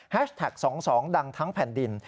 แท็ก๒๒ดังทั้งแผ่นดิน